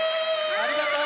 ありがとう！